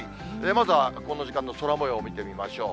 まずはこの時間の空もよう見てみましょう。